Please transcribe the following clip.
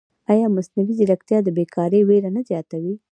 ایا مصنوعي ځیرکتیا د بېکارۍ وېره نه زیاتوي؟